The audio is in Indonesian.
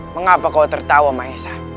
mengapa kau tertawa maesha